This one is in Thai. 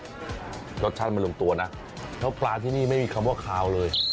รสชาติมันลงตัวนะแล้วปลาที่นี่ไม่มีคำว่าคาวเลย